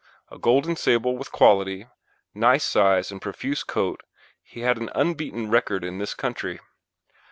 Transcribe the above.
A golden sable with quality, nice size, and profuse coat, he had an unbeaten record in this country.